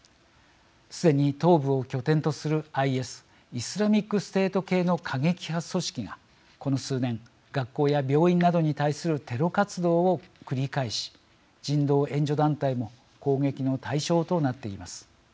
すでに東部を拠点とするＩＳ＝イスラミックステート系の過激派組織がこの数年学校や病院などに対するテロ活動を繰り返し人道援助団体も攻撃の対象となっています。